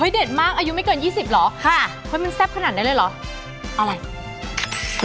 เด็ดมากอายุไม่เกิน๒๐หรอมันแซ่บขนาดนั้นได้เลยเหรอ